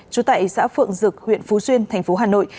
trú tại xã phượng dực huyện phú xuyên thành phố hà nội